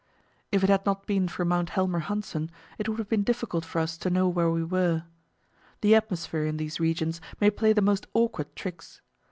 If it had not been for Mount Helmer Hanssen, it would have been difficult for us to know where we were. The atmosphere in these regions may play the most awkward tricks.